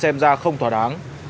xem ra không thỏa đáng